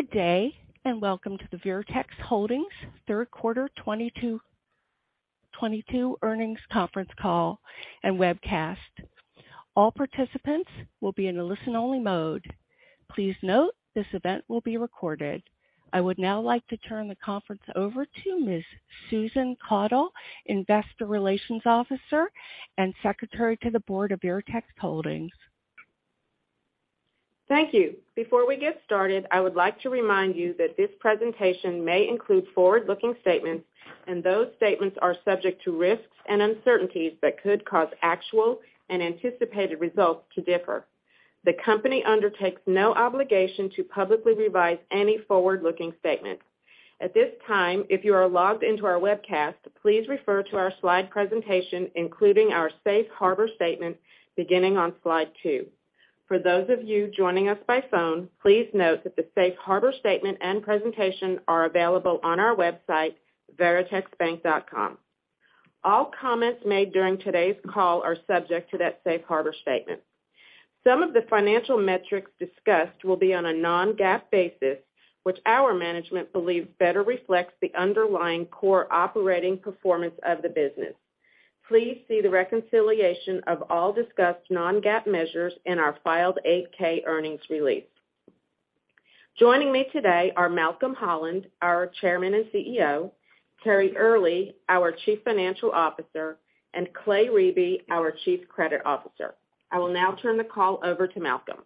Good day, and welcome to the Veritex Holdings third quarter 2022 earnings conference call and webcast. All participants will be in a listen-only mode. Please note this event will be recorded. I would now like to turn the conference over to Ms. Susan Caudle, Investor Relations Officer and Secretary to the Board of Veritex Holdings. Thank you. Before we get started, I would like to remind you that this presentation may include forward-looking statements, and those statements are subject to risks and uncertainties that could cause actual and anticipated results to differ. The company undertakes no obligation to publicly revise any forward-looking statements. At this time, if you are logged into our webcast, please refer to our slide presentation, including our safe harbor statement, beginning on slide two. For those of you joining us by phone, please note that the safe harbor statement and presentation are available on our website, veritexbank.com. All comments made during today's call are subject to that safe harbor statement. Some of the financial metrics discussed will be on a non-GAAP basis, which our management believes better reflects the underlying core operating performance of the business. Please see the reconciliation of all discussed non-GAAP measures in our filed 8-K earnings release. Joining me today are Malcolm Holland, our Chairman and CEO, Terry Earley, our Chief Financial Officer, and Clay Riebe, our Chief Credit Officer. I will now turn the call over to Malcolm.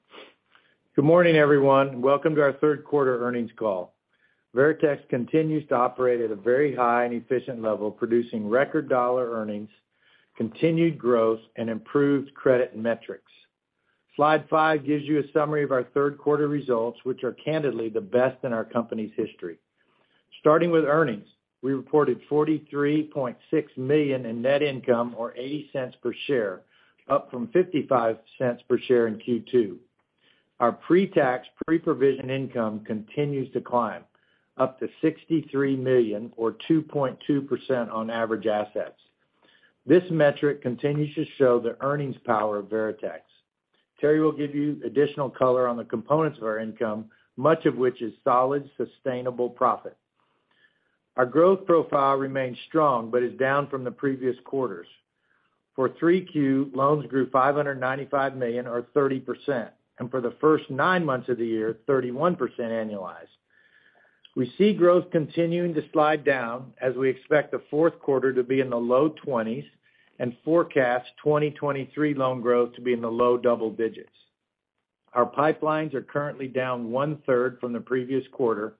Good morning, everyone. Welcome to our third quarter earnings call. Veritex continues to operate at a very high and efficient level, producing record dollar earnings, continued growth, and improved credit metrics. Slide five gives you a summary of our third quarter results, which are candidly the best in our company's history. Starting with earnings, we reported $43.6 million in net income, or $0.80 per share, up from $0.55 per share in Q2. Our Pre-Tax Pre-Provision income continues to climb, up to $63 million or 2.2% on average assets. This metric continues to show the earnings power of Veritex. Terry will give you additional color on the components of our income, much of which is solid, sustainable profit. Our growth profile remains strong but is down from the previous quarters. For Q3, loans grew $595 million or 30%, and for the first nine months of the year, 31% annualized. We see growth continuing to slide down as we expect the fourth quarter to be in the low 20s and forecast 2023 loan growth to be in the low double digits. Our pipelines are currently down one-third from the previous quarter,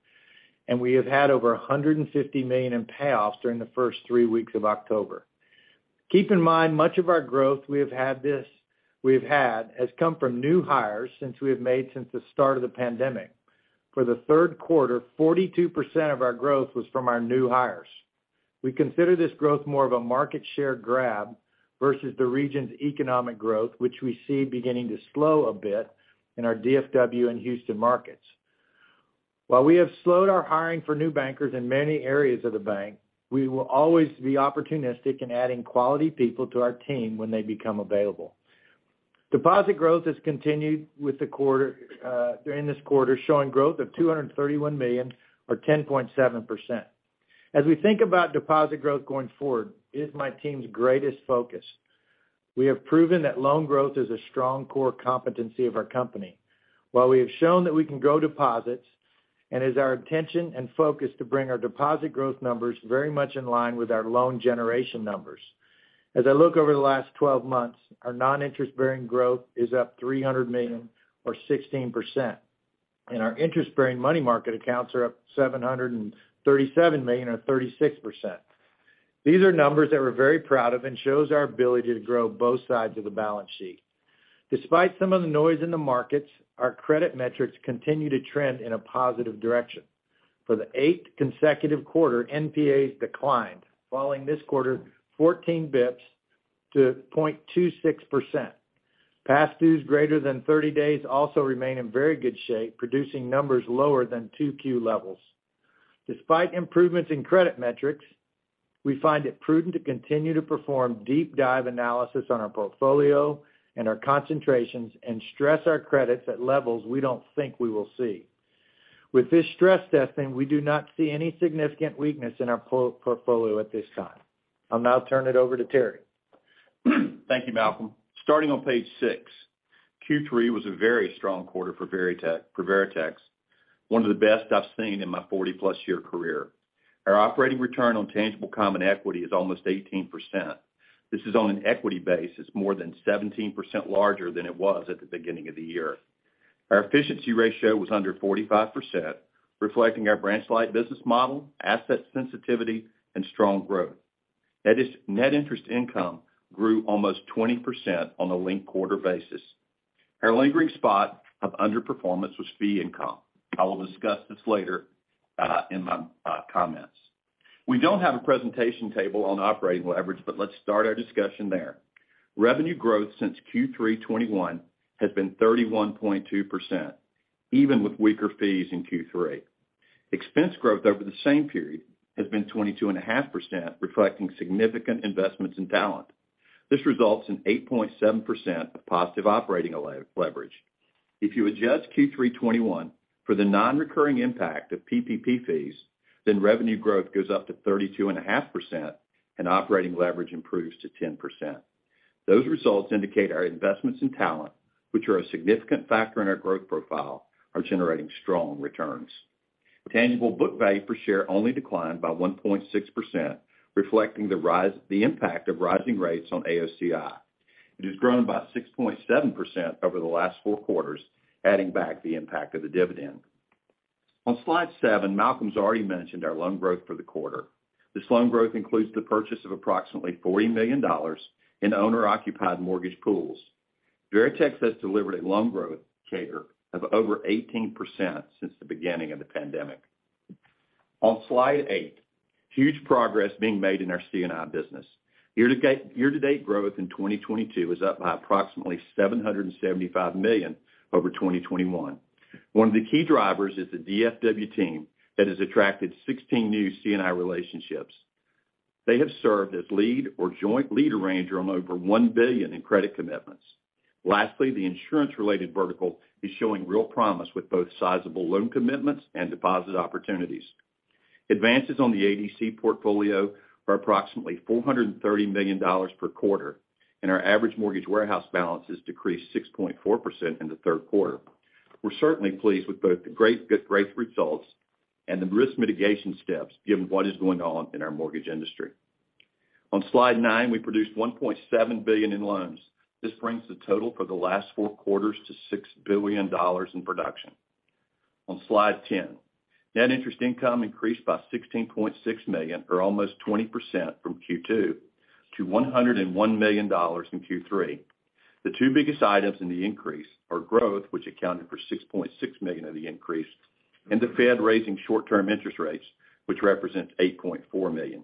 and we have had over $150 million in payoffs during the first three weeks of October. Keep in mind, much of our growth we've had has come from new hires we have made since the start of the pandemic. For the third quarter, 42% of our growth was from our new hires. We consider this growth more of a market share grab versus the region's economic growth, which we see beginning to slow a bit in our DFW and Houston markets. While we have slowed our hiring for new bankers in many areas of the bank, we will always be opportunistic in adding quality people to our team when they become available. Deposit growth has continued with the quarter, during this quarter, showing growth of $231 million or 10.7%. As we think about deposit growth going forward, it is my team's greatest focus. We have proven that loan growth is a strong core competency of our company. While we have shown that we can grow deposits, and is our intention and focus to bring our deposit growth numbers very much in line with our loan generation numbers. As I look over the last twelve months, our non-interest-bearing growth is up $300 million or 16%, and our interest-bearing money market accounts are up $737 million or 36%. These are numbers that we're very proud of and shows our ability to grow both sides of the balance sheet. Despite some of the noise in the markets, our credit metrics continue to trend in a positive direction. For the eighth consecutive quarter, NPAs declined, falling this quarter 14 bps to 0.26%. Past dues greater than 30 days also remain in very good shape, producing numbers lower than 2Q levels. Despite improvements in credit metrics, we find it prudent to continue to perform deep dive analysis on our portfolio and our concentrations and stress our credits at levels we don't think we will see. With this stress testing, we do not see any significant weakness in our portfolio at this time. I'll now turn it over to Terry. Thank you, Malcolm. Starting on page six, Q3 was a very strong quarter for Veritex, one of the best I've seen in my 40+ year career. Our operating return on tangible common equity is almost 18%. This is on an equity basis more than 17% larger than it was at the beginning of the year. Our efficiency ratio was under 45%, reflecting our branch-light business model, asset sensitivity, and strong growth. Net interest income grew almost 20% on a linked quarter basis. Our lingering spot of underperformance was fee income. I will discuss this later in my comments. We don't have a presentation table on operating leverage, but let's start our discussion there. Revenue growth since Q3 2021 has been 31.2%, even with weaker fees in Q3. Expense growth over the same period has been 22.5%, reflecting significant investments in talent. This results in 8.7% of positive operating leverage. If you adjust Q3 2021 for the non-recurring impact of PPP fees, then revenue growth goes up to 32.5% and operating leverage improves to 10%. Those results indicate our investments in talent, which are a significant factor in our growth profile, are generating strong returns. Tangible book value per share only declined by 1.6%, reflecting the impact of rising rates on AOCI. It has grown by 6.7% over the last four quarters, adding back the impact of the dividend. On slide seven, Malcolm's already mentioned our loan growth for the quarter. This loan growth includes the purchase of approximately $40 million in owner-occupied mortgage pools. Veritex has delivered a loan growth CAGR of over 18% since the beginning of the pandemic. On slide eight, huge progress being made in our C&I business. Year to date growth in 2022 is up by approximately $775 million over 2021. One of the key drivers is the DFW team that has attracted 16 new C&I relationships. They have served as lead or joint lead arranger on over $1 billion in credit commitments. Lastly, the insurance-related vertical is showing real promise with both sizable loan commitments and deposit opportunities. Advances on the ADC portfolio are approximately $430 million per quarter, and our average mortgage warehouse balance has decreased 6.4% in the third quarter. We're certainly pleased with both the great results and the risk mitigation steps given what is going on in our mortgage industry. On slide nine, we produced $1.7 billion in loans. This brings the total for the last four quarters to $6 billion in production. On slide ten, net interest income increased by $16.6 million, or almost 20% from Q2, to $101 million in Q3. The two biggest items in the increase are growth, which accounted for $6.6 million of the increase, and the Fed raising short-term interest rates, which represents $8.4 million.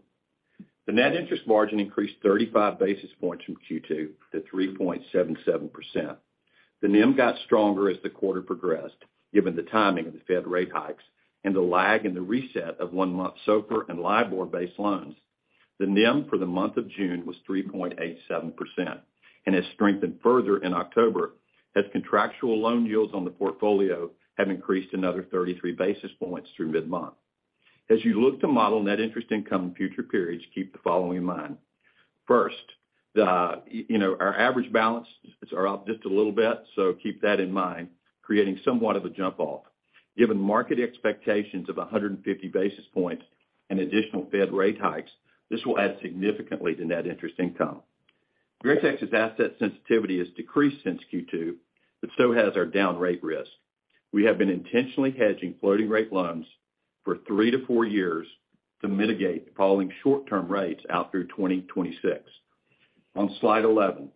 The net interest margin increased 35 basis points from Q2 to 3.77%. The NIM got stronger as the quarter progressed, given the timing of the Fed rate hikes and the lag in the reset of one-month SOFR and LIBOR-based loans. The NIM for the month of June was 3.87% and has strengthened further in October as contractual loan yields on the portfolio have increased another 33 basis points through mid-month. As you look to model net interest income in future periods, keep the following in mind. First, you know, our average balance are up just a little bit, so keep that in mind, creating somewhat of a jump-off. Given market expectations of 150 basis points and additional Fed rate hikes, this will add significantly to net interest income. Veritex's asset sensitivity has decreased since Q2, but so has our down rate risk. We have been intentionally hedging floating rate loans for three-four years to mitigate falling short-term rates out through 2026. On slide 11,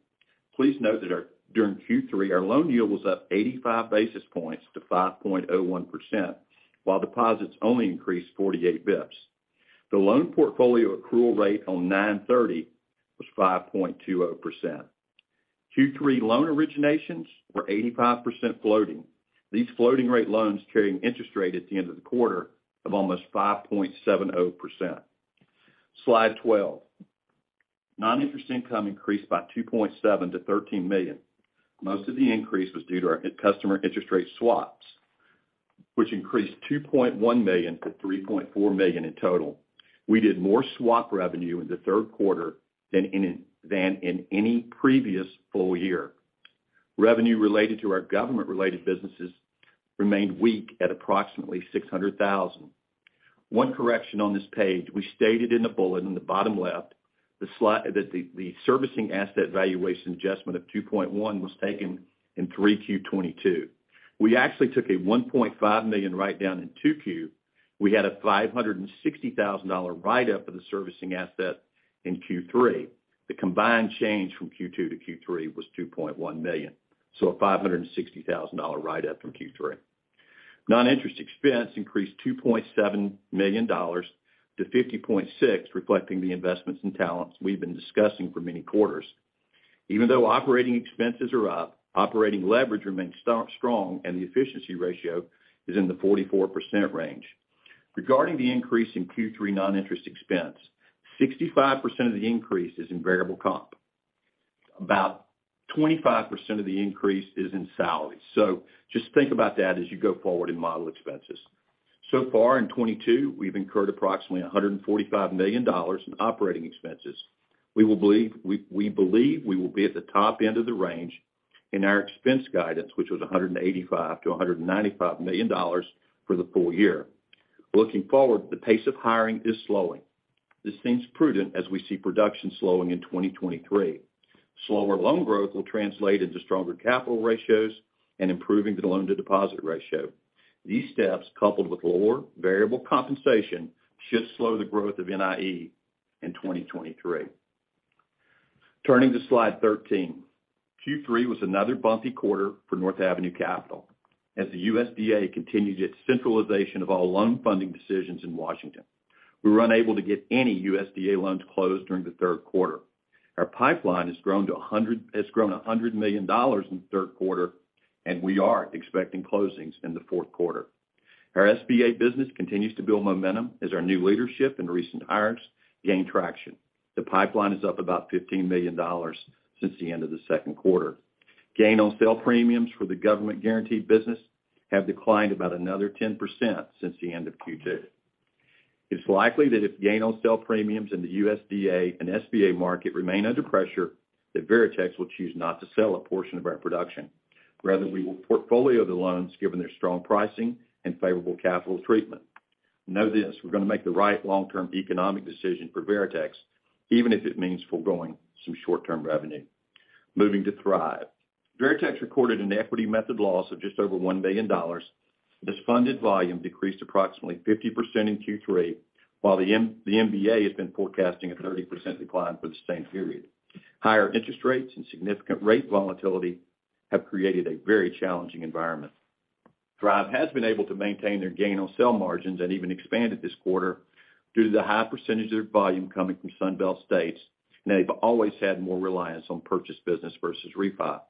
please note that during Q3, our loan yield was up 85 basis points to 5.01%, while deposits only increased 48 basis points. The loan portfolio accrual rate on 9/30 was 5.20%. Q3 loan originations were 85% floating, these floating rate loans carrying interest rate at the end of the quarter of almost 5.70%. Slide 12. Noninterest income increased by $2.7 million to $13 million. Most of the increase was due to our customer interest rate swaps, which increased $2.1 million to $3.4 million in total. We did more swap revenue in the third quarter than in any previous full year. Revenue related to our government-related businesses remained weak at approximately $600,000. One correction on this page, we stated in the bullet in the bottom left that the servicing asset valuation adjustment of $2.1 million was taken in 3Q22. We actually took a $1.5 million write down in 2Q. We had a $560,000 write up of the servicing asset in Q3. The combined change from Q2 to Q3 was $2.1 million, so a $560,000 write-up from Q3. Non-interest expense increased $2.7 million to $50.6 million, reflecting the investments in talents we've been discussing for many quarters. Even though operating expenses are up, operating leverage remains strong, and the efficiency ratio is in the 44% range. Regarding the increase in Q3 non-interest expense, 65% of the increase is in variable comp. About 25% of the increase is in salary. Just think about that as you go forward in model expenses. So far in 2022, we've incurred approximately $145 million in operating expenses. We believe we will be at the top end of the range in our expense guidance, which was $185 million-$195 million for the full year. Looking forward, the pace of hiring is slowing. This seems prudent as we see production slowing in 2023. Slower loan growth will translate into stronger capital ratios and improving the loan-to-deposit ratio. These steps, coupled with lower variable compensation, should slow the growth of NIE in 2023. Turning to slide 13. Q3 was another bumpy quarter for North Avenue Capital. As the USDA continued its centralization of all loan funding decisions in Washington, we were unable to get any USDA loans closed during the third quarter. Our pipeline has grown $100 million in the third quarter, and we are expecting closings in the fourth quarter. Our SBA business continues to build momentum as our new leadership and recent hires gain traction. The pipeline is up about $15 million since the end of the second quarter. Gain on sale premiums for the government-guaranteed business have declined about another 10% since the end of Q2. It's likely that if gain on sale premiums in the USDA and SBA market remain under pressure, that Veritex will choose not to sell a portion of our production. Rather, we will portfolio the loans given their strong pricing and favorable capital treatment. Know this, we're gonna make the right long-term economic decision for Veritex, even if it means foregoing some short-term revenue. Moving to Thrive. Veritex recorded an equity method loss of just over $1 million as funded volume decreased approximately 50% in Q3, while the MBA has been forecasting a 30% decline for the same period. Higher interest rates and significant rate volatility have created a very challenging environment. Thrive has been able to maintain their gain on sale margins and even expanded this quarter due to the high percentage of their volume coming from Sun Belt states, and they've always had more reliance on purchase business versus refi.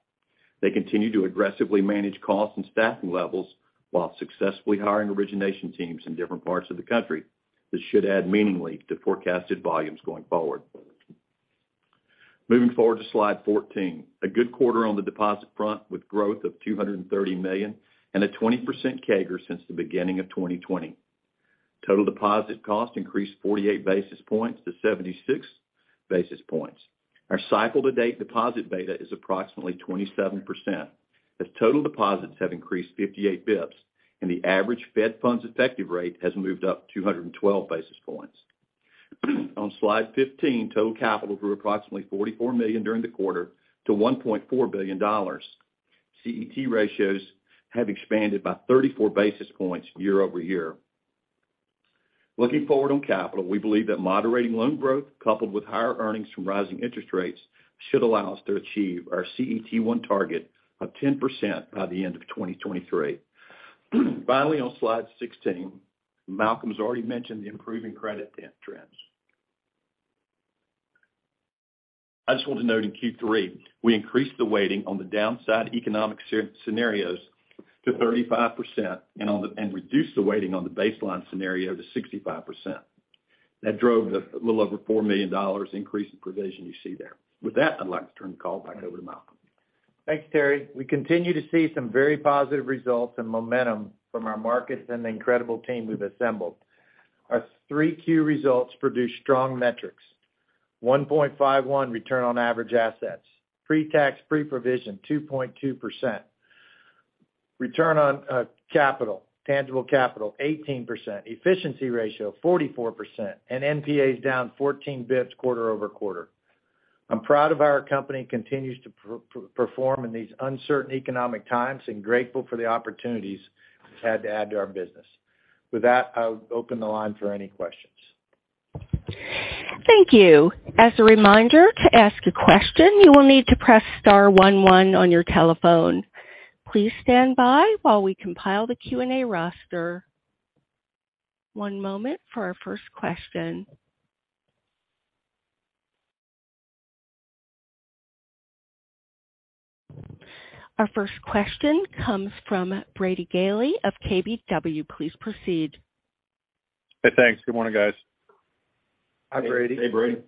They continue to aggressively manage costs and staffing levels while successfully hiring origination teams in different parts of the country. This should add meaningfully to forecasted volumes going forward. Moving forward to slide 14. A good quarter on the deposit front, with growth of $230 million and a 20% CAGR since the beginning of 2020. Total deposit cost increased 48 basis points to 76 basis points. Our cycle to date deposit beta is approximately 27%, as total deposits have increased 58 basis points, and the average Fed funds effective rate has moved up 212 basis points. On slide 15, total capital grew approximately $44 million during the quarter to $1.4 billion. CET ratios have expanded by 34 basis points year-over-year. Looking forward on capital, we believe that moderating loan growth, coupled with higher earnings from rising interest rates, should allow us to achieve our CET1 target of 10% by the end of 2023. Finally, on slide 16, Malcolm's already mentioned the improving credit trends. I just want to note in Q3, we increased the weighting on the downside economic scenarios to 35% and reduced the weighting on the baseline scenario to 65%. That drove the little over $4 million increase in provision you see there. With that, I'd like to turn the call back over to Malcolm. Thanks, Terry. We continue to see some very positive results and momentum from our markets and the incredible team we've assembled. Our 3Q results produced strong metrics. 1.51 return on average assets. Pre-tax, pre-provision, 2.2%. Return on capital, tangible capital, 18%. Efficiency ratio, 44%. NPAs down 14 basis points quarter-over-quarter. I'm proud of our company, continues to perform in these uncertain economic times and grateful for the opportunities we've had to add to our business. With that, I'll open the line for any questions. Thank you. As a reminder, to ask a question, you will need to press star one one on your telephone. Please stand by while we compile the Q&A roster. One moment for our first question. Our first question comes from Brady Gailey of KBW. Please proceed. Hey, thanks. Good morning, guys. Hi, Brady. Hey, Brady.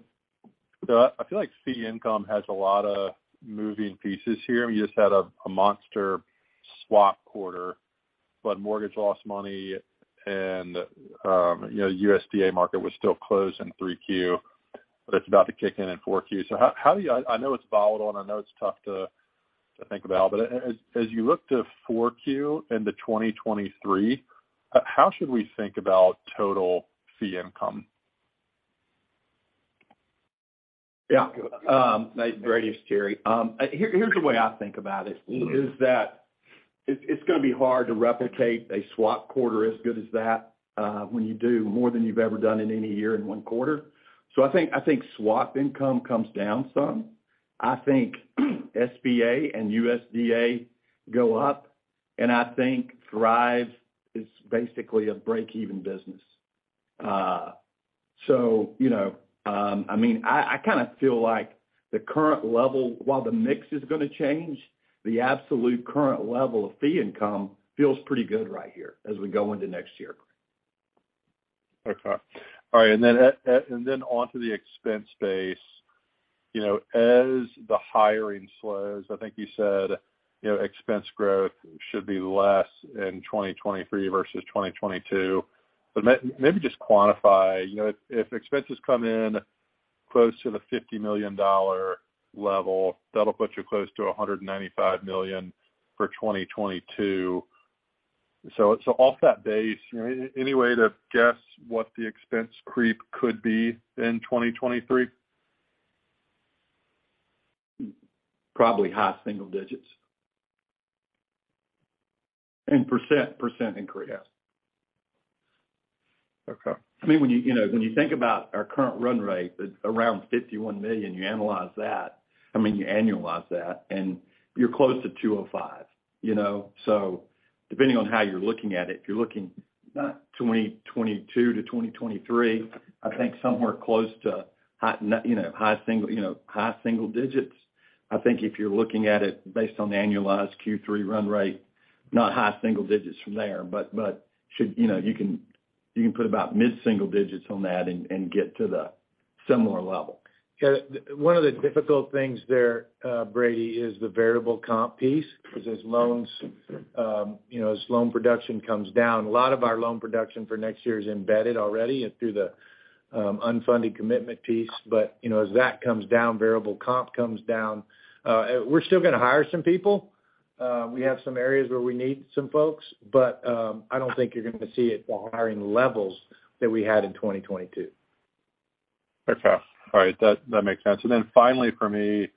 I feel like fee income has a lot of moving pieces here, and you just had a monster swap quarter, but mortgage lost money and USDA market was still closed in 3Q, but it's about to kick in in 4Q. I know it's volatile, and I know it's tough to think about, but as you look to 4Q into 2023, how should we think about total fee income? Yeah. Brady, it's Terry. Here's the way I think about it, is that it's gonna be hard to replicate a swap quarter as good as that, when you do more than you've ever done in any year in one quarter. I think swap income comes down some. I think SBA and USDA go up, and I think Thrive is basically a break-even business. You know, I mean, I kinda feel like the current level, while the mix is gonna change, the absolute current level of fee income feels pretty good right here as we go into next year. Okay. All right. Then onto the expense base, you know, as the hiring slows, I think you said, you know, expense growth should be less in 2023 versus 2022. Maybe just quantify, you know, if expenses come in close to the $50 million level, that'll put you close to $195 million for 2022. Off that base, any way to guess what the expense creep could be in 2023? Probably high single digits. In percent increase? Yeah. Okay. I mean, when you know, when you think about our current run rate at around $51 million, you analyze that. I mean, you annualize that, and you're close to $205 million, you know. Depending on how you're looking at it, you're looking not 2022 to 2023, I think somewhere close to high single digits. I think if you're looking at it based on the annualized Q3 run rate, not high single digits% from there, but you can put about mid-single digits on that and get to the similar level. One of the difficult things there, Brady, is the variable comp piece, because as loans, you know, as loan production comes down, a lot of our loan production for next year is embedded already through the unfunded commitment piece. You know, as that comes down, variable comp comes down. We're still gonna hire some people. We have some areas where we need some folks, but I don't think you're gonna see the hiring levels that we had in 2022. Okay. All right. That makes sense. Then finally for me,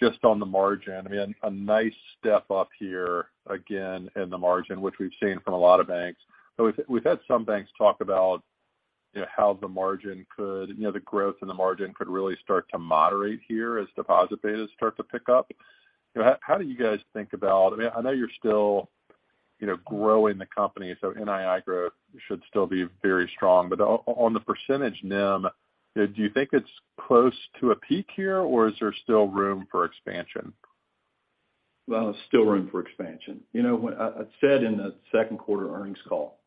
just on the margin, I mean, a nice step up here again in the margin, which we've seen from a lot of banks. We've had some banks talk about, you know, how the margin could, you know, the growth in the margin could really start to moderate here as deposit betas start to pick up. You know, how do you guys think about? I mean, I know you're still, you know, growing the company, so NII growth should still be very strong. But on the percentage NIM, do you think it's close to a peak here, or is there still room for expansion? Well, there's still room for expansion. You know, I said in the second quarter earnings call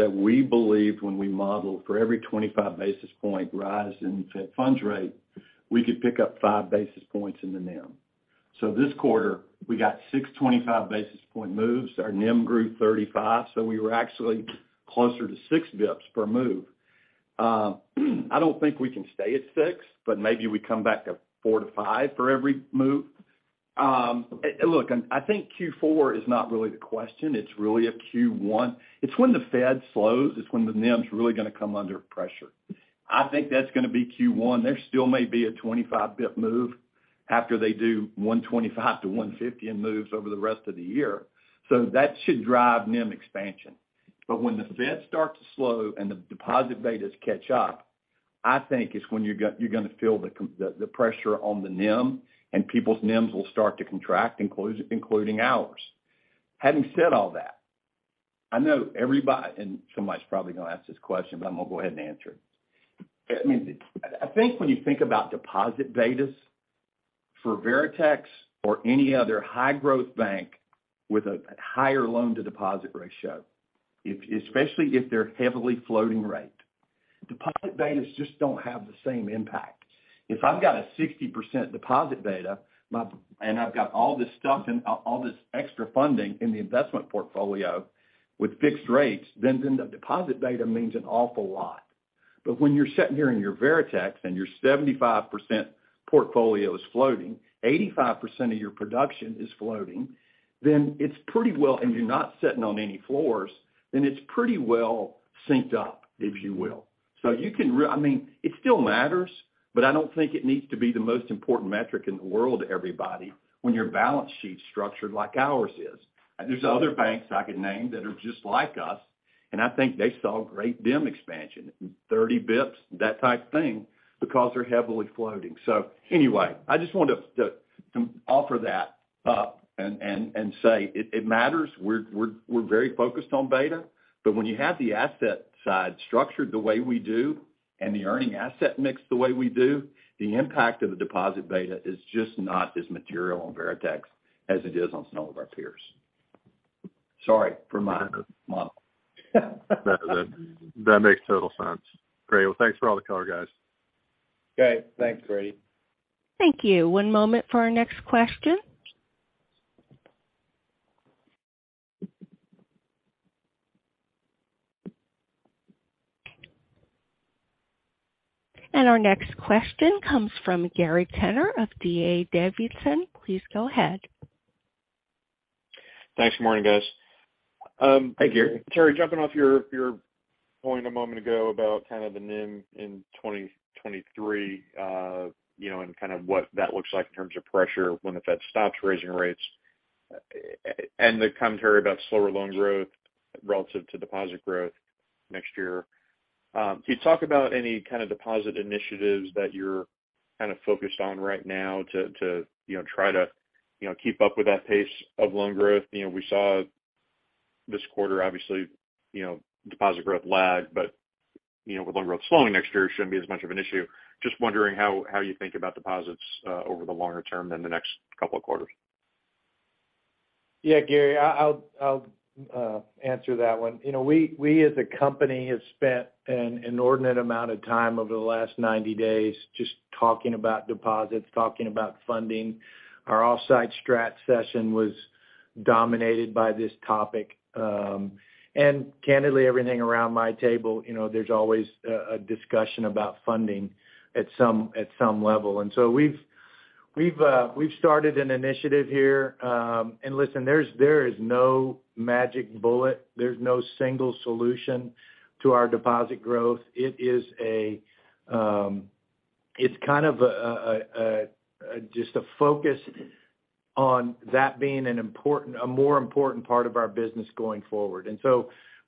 that we believe when we model for every 25 basis point rise in Fed funds rate, we could pick up five basis points in the NIM. This quarter, we got six 25 basis point moves. Our NIM grew 35, so we were actually closer to six basis points per move. I don't think we can stay at six, but maybe we come back to four-five for every move. Look, I think Q4 is not really the question. It's really a Q1. It's when the Fed slows is when the NIM's really gonna come under pressure. I think that's gonna be Q1. There still may be a 25-basis-point move after they do 125-150 in moves over the rest of the year. That should drive NIM expansion. When the Fed starts to slow and the deposit betas catch up, I think it's when you're gonna feel the pressure on the NIM and people's NIMs will start to contract, including ours. Having said all that, I know everybody, and somebody's probably gonna ask this question, but I'm gonna go ahead and answer it. I mean, I think when you think about deposit betas for Veritex or any other high-growth bank with a higher loan-to-deposit ratio, if especially if they're heavily floating rate, deposit betas just don't have the same impact. If I've got a 60% deposit beta, and I've got all this stuff and all this extra funding in the investment portfolio with fixed rates, then the deposit beta means an awful lot. When you're sitting here in your Veritex and your 75% portfolio is floating, 85% of your production is floating, then it's pretty well, and you're not sitting on any floors, then it's pretty well synced up, if you will. You can, I mean, it still matters, but I don't think it needs to be the most important metric in the world to everybody when your balance sheet's structured like ours is. There's other banks I could name that are just like us, and I think they saw great NIM expansion, 30 bps, that type of thing, because they're heavily floating. Anyway, I just wanted to offer that up and say it matters. We're very focused on beta. When you have the asset side structured the way we do and the earning asset mixed the way we do, the impact of the deposit beta is just not as material on Veritex as it is on some of our peers. Sorry for my model. That makes total sense. Great. Well, thanks for all the color, guys. Great. Thanks, Brady. Thank you. One moment for our next question. Our next question comes from Gary Tenner of D.A. Davidson. Please go ahead. Thanks. Morning, guys. Hi, Gary. Terry, jumping off your point a moment ago about kind of the NIM in 2023, you know, and kind of what that looks like in terms of pressure when the Fed stops raising rates, and the commentary about slower loan growth relative to deposit growth next year, could you talk about any kind of deposit initiatives that you're kind of focused on right now to you know try to you know keep up with that pace of loan growth? You know, we saw this quarter, obviously, you know, deposit growth lagged, but, you know, with loan growth slowing next year, it shouldn't be as much of an issue. Just wondering how you think about deposits over the longer term than the next couple of quarters. Yeah, Gary, I'll answer that one. You know, we as a company have spent an inordinate amount of time over the last 90 days just talking about deposits, talking about funding. Our off-site strat session was dominated by this topic. Candidly, everything around my table, you know, there's always a discussion about funding at some level. We've started an initiative here. Listen, there is no magic bullet. There's no single solution to our deposit growth. It is kind of just a focus On that being a more important part of our business going forward.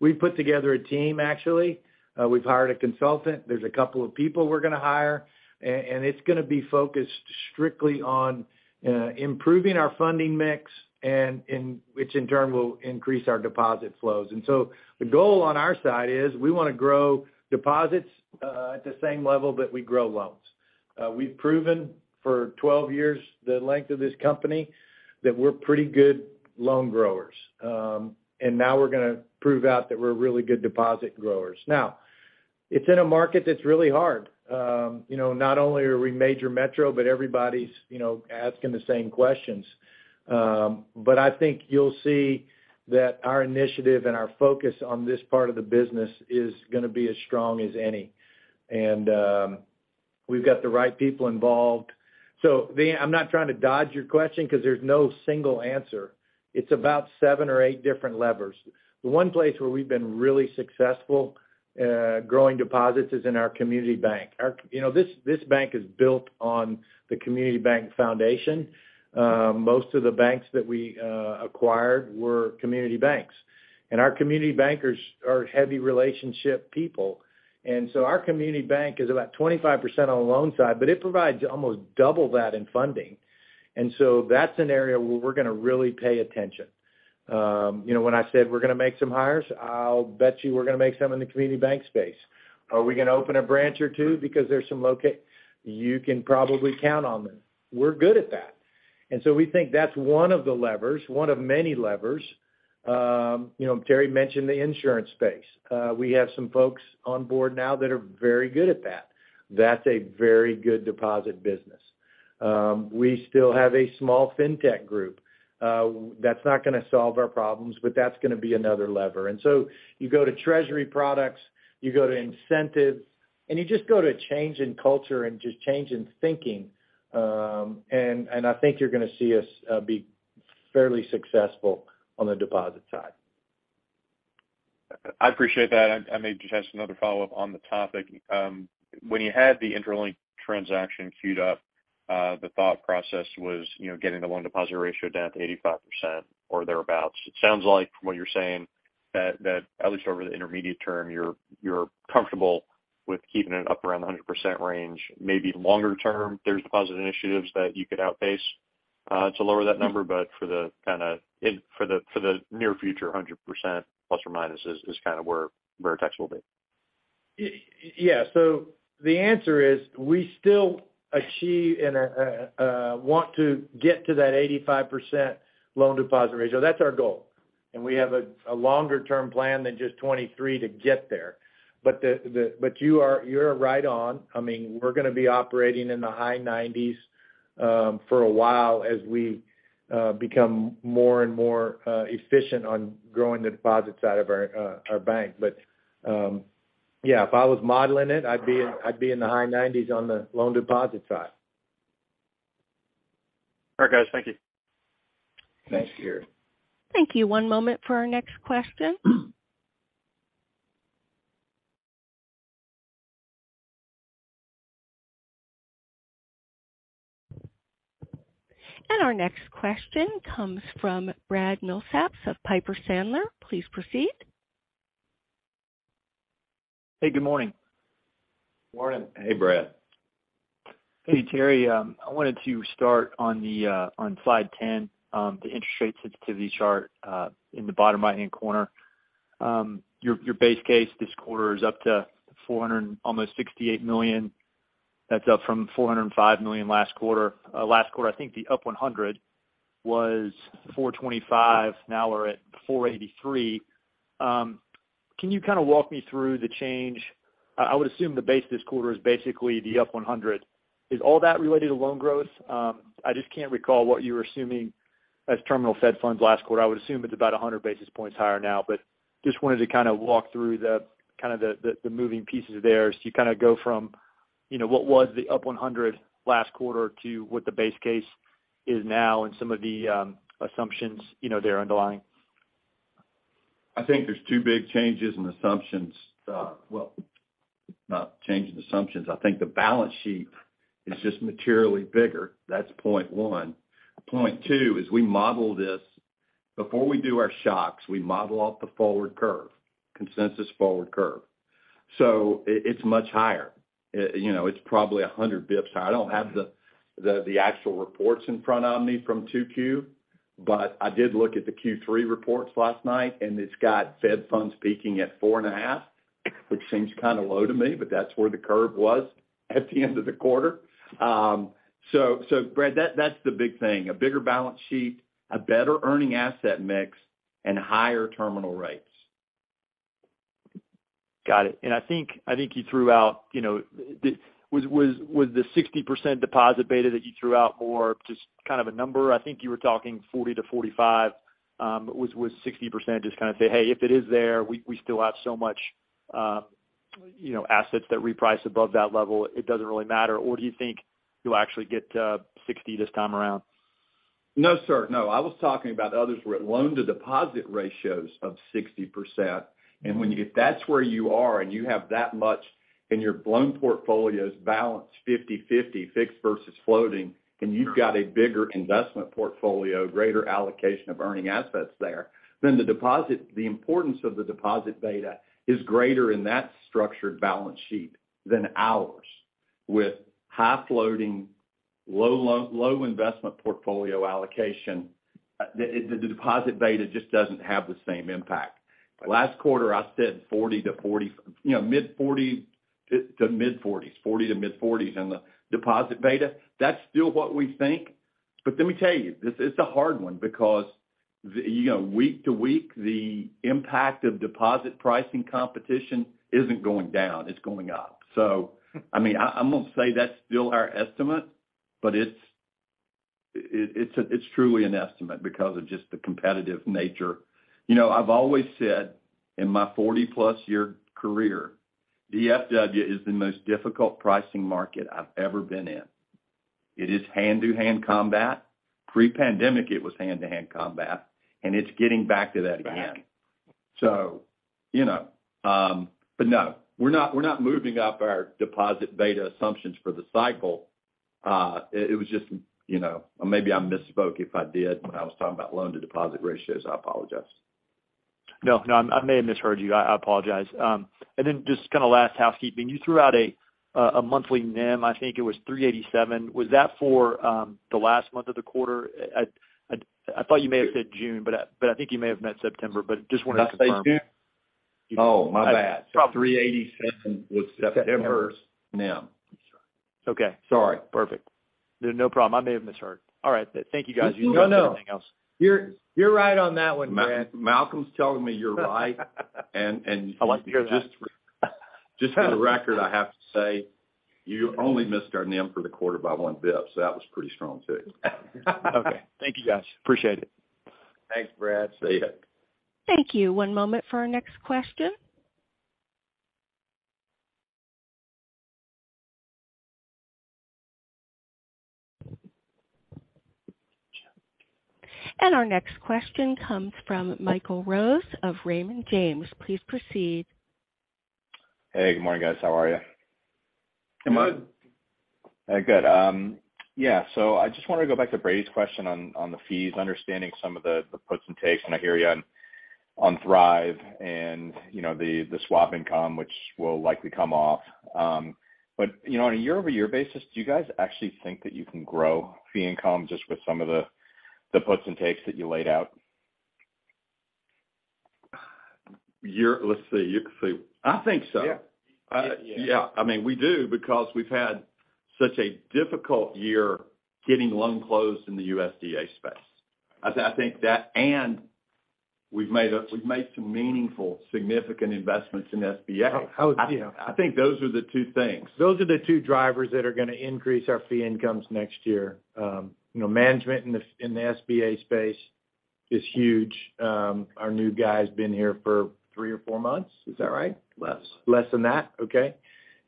We've put together a team, actually. We've hired a consultant. There's a couple of people we're gonna hire, and it's gonna be focused strictly on improving our funding mix, and which in turn will increase our deposit flows. The goal on our side is we wanna grow deposits at the same level that we grow loans. We've proven for 12 years, the length of this company, that we're pretty good loan growers. And now we're gonna prove out that we're really good deposit growers. Now, it's in a market that's really hard. You know, not only are we major metro, but everybody's, you know, asking the same questions. I think you'll see that our initiative and our focus on this part of the business is gonna be as strong as any. We've got the right people involved. I'm not trying to dodge your question, 'cause there's no single answer. It's about seven or eight different levers. The one place where we've been really successful growing deposits is in our community bank. You know, this bank is built on the community bank foundation. Most of the banks that we acquired were community banks. Our community bankers are heavy relationship people. Our community bank is about 25% on the loan side, but it provides almost double that in funding. That's an area where we're gonna really pay attention. You know, when I said we're gonna make some hires, I'll bet you we're gonna make some in the community bank space. Are we gonna open a branch or two? You can probably count on them. We're good at that. We think that's one of the levers, one of many levers. You know, Terry mentioned the insurance space. We have some folks on board now that are very good at that. That's a very good deposit business. We still have a small fintech group. That's not gonna solve our problems, but that's gonna be another lever. You go to treasury products, you go to incentives, and you just go to change in culture and just change in thinking, and I think you're gonna see us be fairly successful on the deposit side. I appreciate that. I maybe just another follow-up on the topic. When you had the IntraFi transaction queued up, the thought process was, you know, getting the loan deposit ratio down to 85% or thereabouts. It sounds like from what you're saying that at least over the intermediate term, you're comfortable with keeping it up around the 100% range. Maybe longer term, there's deposit initiatives that you could outpace to lower that number, but for the near future, 100% plus or minus is kind of where Veritex will be. Yeah. The answer is we still achieve and want to get to that 85% loan deposit ratio. That's our goal. We have a longer-term plan than just 2023 to get there. You're right on. I mean, we're gonna be operating in the high 90s for a while as we become more and more efficient on growing the deposit side of our bank. Yeah, if I was modeling it, I'd be in the high 90s on the loan deposit side. All right, guys. Thank you. Thanks, Gary. Thank you. One moment for our next question. Our next question comes from Brad Milsaps of Piper Sandler. Please proceed. Hey, good morning. Morning. Hey, Brad. Hey, Terry. I wanted to start on slide ten, the interest rate sensitivity chart, in the bottom right-hand corner. Your base case this quarter is up to almost $468 million. That's up from $405 million last quarter. Last quarter, I think the up 100 was $425. Now we're at $483. Can you kind of walk me through the change? I would assume the base this quarter is basically the up 100. Is all that related to loan growth? I just can't recall what you were assuming as terminal Fed funds last quarter. I would assume it's about 100 basis points higher now, but just wanted to kind of walk through the kind of moving pieces there as you kind of go from, you know, what was the up 100 last quarter to what the base case is now and some of the assumptions, you know, there underlying. I think there's two big changes in assumptions. Not changes in assumptions. I think the balance sheet is just materially bigger. That's point one. Point two is we model this. Before we do our shocks, we model out the forward curve, consensus forward curve. It's much higher. You know, it's probably 100 bps. I don't have the actual reports in front of me from 2Q, but I did look at the Q3 reports last night, and it's got Fed funds peaking at 4.5, which seems kind of low to me, but that's where the curve was at the end of the quarter. Brad, that's the big thing, a bigger balance sheet, a better earning asset mix, and higher terminal rates. Got it. I think you threw out, you know, was the 60% deposit beta that you threw out more just kind of a number? I think you were talking 40%-45%. Was 60% just kind of say, "Hey, if it is there, we still have so much, you know, assets that reprice above that level, it doesn't really matter." Or do you think you'll actually get to 60% this time around? No, sir. No. I was talking about others were at loan-to-deposit ratios of 60%. That's where you are, and you have that much Your loan portfolio is balanced 50-50 fixed versus floating, and you've got a bigger investment portfolio, greater allocation of earning assets there, than the deposit - the importance of the deposit beta is greater in that structured balance sheet than ours. With high floating, low investment portfolio allocation, the deposit beta just doesn't have the same impact. Last quarter, I said 40 to 40. You know, mid-40s to mid-40s, 40 to mid-40s on the deposit beta. That's still what we think. But let me tell you, this is a hard one because the, you know, week to week, the impact of deposit pricing competition isn't going down, it's going up. So, I mean, I'm gonna say that's still our estimate, but it's a truly an estimate because of just the competitive nature. You know, I've always said in my 40-plus year career, DFW is the most difficult pricing market I've ever been in. It is hand-to-hand combat. Pre-pandemic, it was hand-to-hand combat, and it's getting back to that again. You know, but no. We're not moving up our deposit beta assumptions for the cycle. It was just, you know. Maybe I misspoke if I did when I was talking about loan to deposit ratios. I apologize. No, no, I may have misheard you. I apologize. Just kinda last housekeeping. You threw out a monthly NIM, I think it was 3.87%. Was that for the last month of the quarter? I thought you may have said June, but I think you may have meant September, but just wanted to confirm. Did I say June? Oh, my bad. 3.87% was September's NIM. Okay. Sorry. Perfect. No, no problem. I may have misheard. All right. Thank you guys. You can talk about anything else. No, no. You're right on that one, Brad. Malcolm's telling me you're right. I like to hear that. Just for the record, I have to say, you only missed our NIM for the quarter by one basis point, so that was pretty strong too. Okay. Thank you, guys. Appreciate it. Thanks, Brad. See you. Thank you. One moment for our next question. Our next question comes from Michael Rose of Raymond James. Please proceed. Hey, good morning, guys. How are you? Good morning. Good. Good. Yeah. I just wanted to go back to Brady's question on the fees, understanding some of the puts and takes when I hear you on Thrive and, you know, the swap income, which will likely come off. You know, on a year-over-year basis, do you guys actually think that you can grow fee income just with some of the puts and takes that you laid out? Let's see. You can see. I think so. Yeah. Yeah. I mean, we do because we've had such a difficult year getting loans closed in the USDA space. I think that and we've made some meaningful, significant investments in SBA. Yeah. I think those are the two things. Those are the two drivers that are gonna increase our fee incomes next year. You know, management in the SBA space is huge. Our new guy's been here for three or four months. Is that right? Less. Less than that? Okay.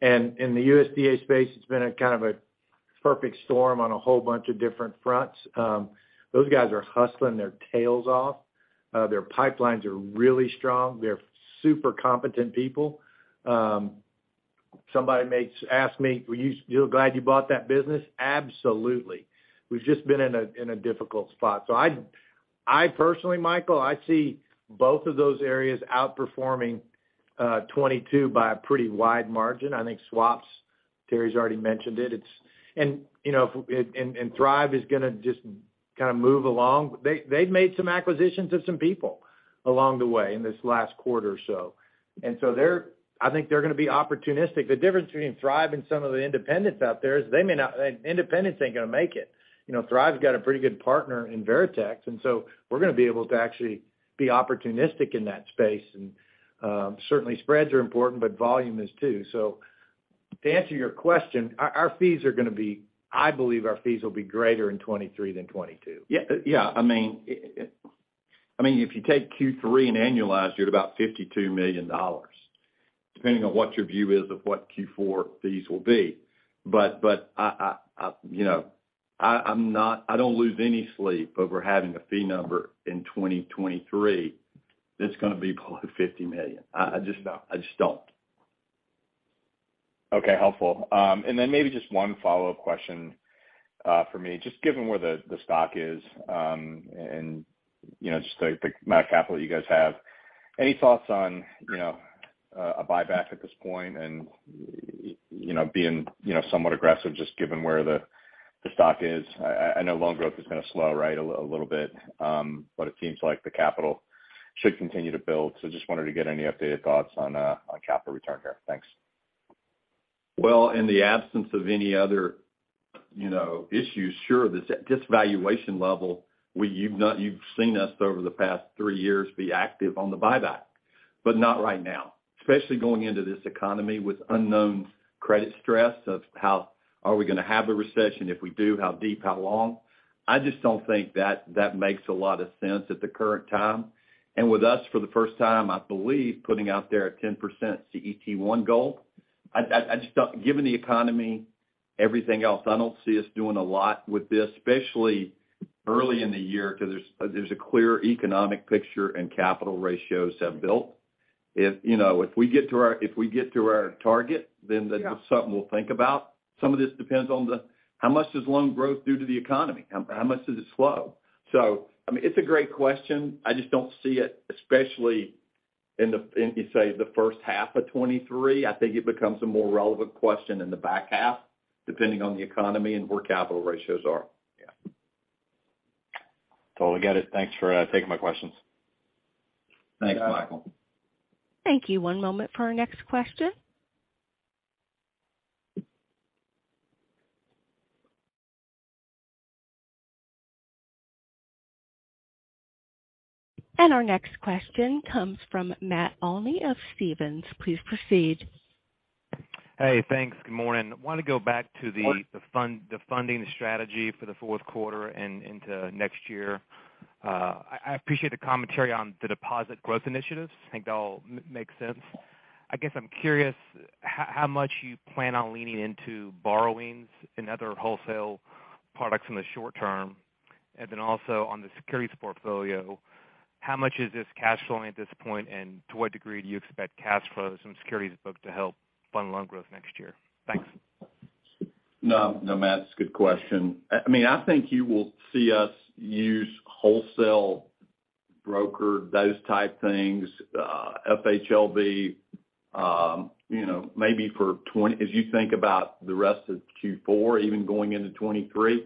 In the USDA space, it's been a kind of a perfect storm on a whole bunch of different fronts. Those guys are hustling their tails off. Their pipelines are really strong. They're super competent people. Somebody may ask me, "Were you feeling glad you bought that business?" Absolutely. We've just been in a difficult spot. I personally, Michael, see both of those areas outperforming 2022 by a pretty wide margin. I think swaps, Terry's already mentioned it. Thrive is gonna just kind of move along. They've made some acquisitions of some people along the way in this last quarter or so. They're gonna be opportunistic. The difference between Thrive and some of the independents out there is they may not. Independents ain't gonna make it. You know, Thrive's got a pretty good partner in Veritex, and so we're gonna be able to actually be opportunistic in that space. Certainly spreads are important, but volume is too. To answer your question, I believe our fees will be greater in 2023 than 2022. Yeah, yeah. I mean, if you take Q3 and annualize, you're at about $52 million, depending on what your view is of what Q4 fees will be. I, you know, I don't lose any sleep over having a fee number in 2023 that's gonna be below $50 million. I just don't. Okay, helpful. Then maybe just one follow-up question for me. Just given where the stock is and you know just the amount of capital you guys have. Any thoughts on you know a buyback at this point and you know being you know somewhat aggressive just given where the stock is? I know loan growth is gonna slow right a little bit. It seems like the capital should continue to build. Just wanted to get any updated thoughts on capital return here. Thanks. Well, in the absence of any other, you know, issues, sure. This valuation level, you've seen us over the past three years be active on the buyback, but not right now. Especially going into this economy with unknown credit stress of how are we gonna have a recession? If we do, how deep, how long? I just don't think that makes a lot of sense at the current time. With us, for the first time, I believe, putting out there a 10% CET1 goal, I just don't. Given the economy, everything else. I don't see us doing a lot with this, especially early in the year, 'cause there's a clear economic picture and capital ratios have built. If, you know, if we get to our target, then that's. Yeah Something we'll think about. Some of this depends on how much does loan growth do to the economy? How much does it slow? I mean, it's a great question. I just don't see it, especially in the, you say, the first half of 2023. I think it becomes a more relevant question in the back half, depending on the economy and where capital ratios are. Yeah. Totally get it. Thanks for taking my questions. Thanks, Michael. Thanks. Thank you. One moment for our next question. Our next question comes from Matt Olney of Stephens. Please proceed. Hey, thanks. Good morning. Wanna go back to the Morning The fund, the funding strategy for the fourth quarter and into next year. I appreciate the commentary on the deposit growth initiatives. I think they all make sense. I guess I'm curious how much you plan on leaning into borrowings and other wholesale products in the short term. Also on the securities portfolio, how much is this cash flowing at this point, and to what degree do you expect cash flows from securities book to help fund loan growth next year? Thanks. No, no, Matt, it's a good question. I mean, I think you will see us use wholesale broker, those type things, FHLB, you know, maybe for twenty as you think about the rest of Q4, even going into 2023,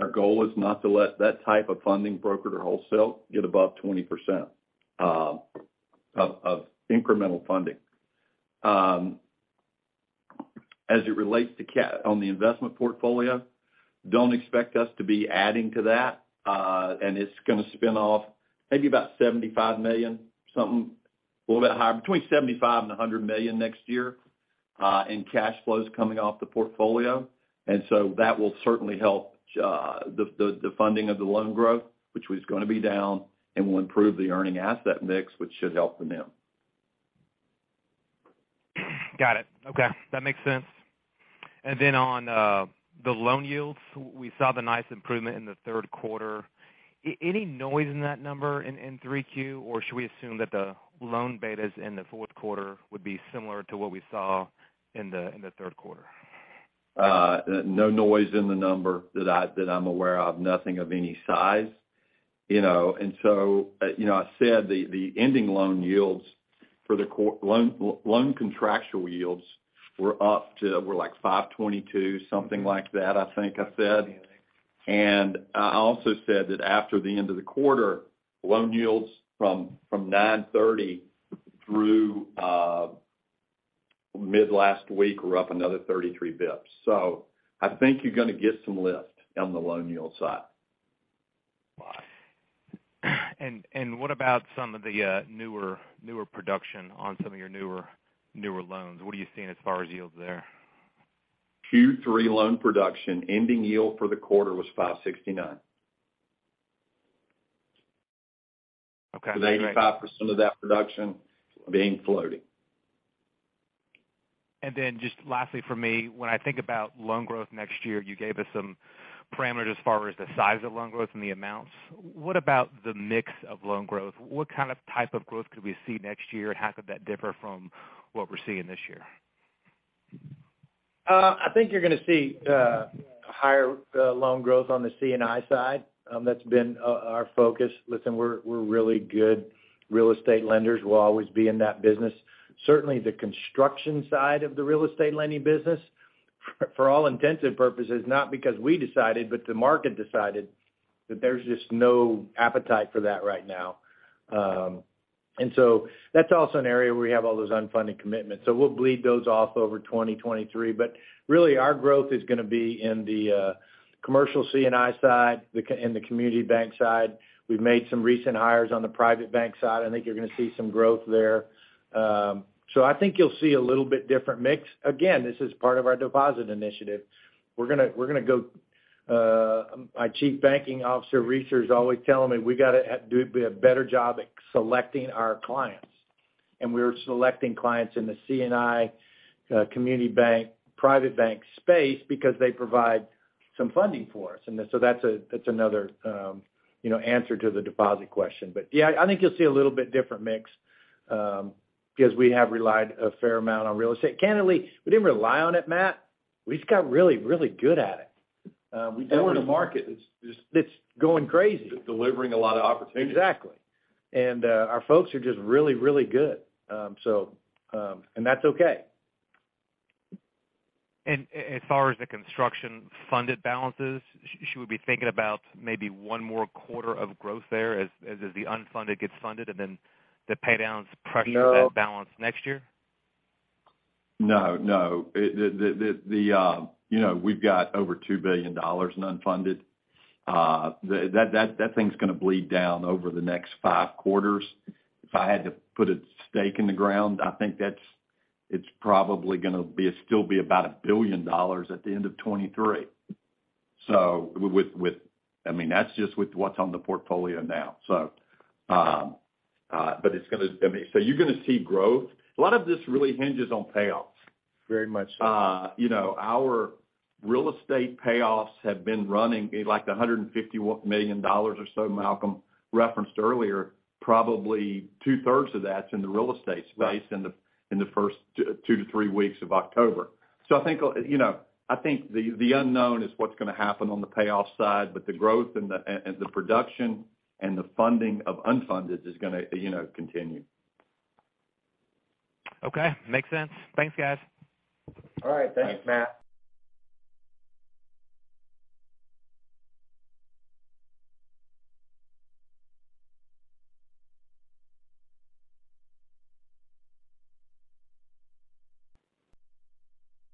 our goal is not to let that type of funding brokered or wholesale get above 20% of incremental funding. As it relates to On the investment portfolio, don't expect us to be adding to that. And it's gonna spin off maybe about $75 million, something little bit higher, between $75 million and $100 million next year in cash flows coming off the portfolio. That will certainly help the funding of the loan growth, which was gonna be down and will improve the earning asset mix, which should help the NIM. Got it. Okay, that makes sense. On the loan yields, we saw the nice improvement in the third quarter. Any noise in that number in 3Q, or should we assume that the loan betas in the fourth quarter would be similar to what we saw in the third quarter? No noise in the number that I'm aware of, nothing of any size, you know. You know, I said the ending loan yields for the loan contractual yields were like 5.22, something like that, I think I said. Mm-hmm. I also said that after the end of the quarter, loan yields from 9/30 through mid-last week were up another 33 bps. I think you're gonna get some lift on the loan yield side. What about some of the newer production on some of your newer loans? What are you seeing as far as yields there? Q3 loan production ending yield for the quarter was 5.69%. Okay. With 85% of that production being floating. Just lastly for me, when I think about loan growth next year, you gave us some parameters as far as the size of loan growth and the amounts. What about the mix of loan growth? What kind of type of growth could we see next year? How could that differ from what we're seeing this year? I think you're gonna see higher loan growth on the C&I side. That's been our focus. Listen, we're really good real estate lenders. We'll always be in that business. Certainly, the construction side of the real estate lending business, for all intents and purposes, not because we decided, but the market decided that there's just no appetite for that right now. That's also an area where we have all those unfunded commitments. We'll bleed those off over 2023. Really, our growth is gonna be in the commercial C&I side in the community bank side. We've made some recent hires on the private bank side. I think you're gonna see some growth there. I think you'll see a little bit different mix. Again, this is part of our deposit initiative. My Chief Banking Officer, Recer, is always telling me we gotta do a better job at selecting our clients. We're selecting clients in the C&I community bank, private bank space because they provide some funding for us. That's another, you know, answer to the deposit question. Yeah, I think you'll see a little bit different mix because we have relied a fair amount on real estate. Candidly, we didn't rely on it, Matt. We just got really good at it. We do We're in a market that's It's going crazy. Delivering a lot of opportunities. Exactly. Our folks are just really, really good. That's okay. As far as the construction funded balances, should we be thinking about maybe one more quarter of growth there as the unfunded gets funded and then the paydowns pressure? No That balance next year? No, no. It, you know, we've got over $2 billion in unfunded. That thing's gonna bleed down over the next five quarters. If I had to put a stake in the ground, I think it's probably gonna be about $1 billion at the end of 2023. With, I mean, that's just with what's on the portfolio now. But it's gonna, I mean, so you're gonna see growth. A lot of this really hinges on payoffs. Very much so. You know, our real estate payoffs have been running like $150 million or so Malcolm referenced earlier. Probably two-thirds of that's in the real estate space. Right In the first two to three weeks of October. I think, you know, I think the unknown is what's gonna happen on the payoff side, but the growth and the production and the funding of unfunded is gonna, you know, continue. Okay. Makes sense. Thanks, guys. All right. Thanks, Matt.